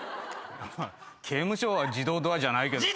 刑務所は自動ドアじゃないけど。